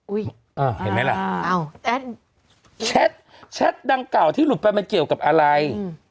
เห็นไหมล่ะแชทดังเก่าที่หลุดไปมันเกี่ยวกับอะไร